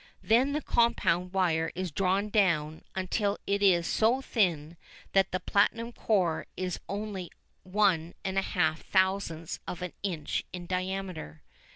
Then the compound wire is drawn down until it is so thin that the platinum core is only one and a half thousandths of an inch in diameter.